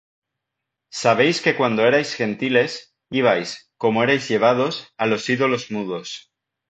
Sabéis que cuando erais Gentiles, ibais, como erais llevados, a los ídolos mudos.